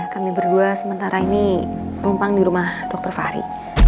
kami berdua sementara ini rumpang di rumah dokter fari